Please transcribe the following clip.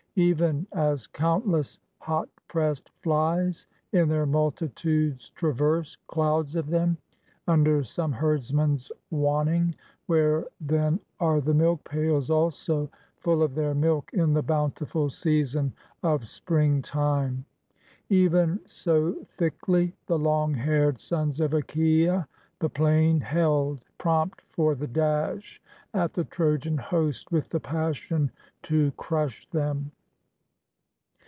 Even as countless hot pressed flies in their multitudes traverse, Clouds of them, under some herdsman's wonning, where then are the milk pails Also, full of their milk, in the bountiful season of spring time; Even so thickly the long haired sons of Achaia the plain held, Prompt for the dash at the Trojan host, with the passion to crush them.